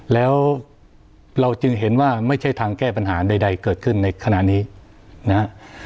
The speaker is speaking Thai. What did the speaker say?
แล้วเราจึงเห็นว่าไม่ใช่ทางแก้ปัญหาใดเกิดขึ้นในขณะนี้นะฮะ